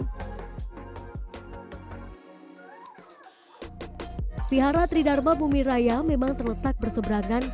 prihara tridharma bubiraya memang terletak berseberangan